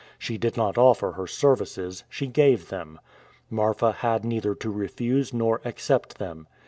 She did not offer her services; she gave them. Marfa had neither to refuse nor accept them.